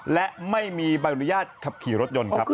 และไม่มีใบอนุญาตขับขี่รถยนต์ครับ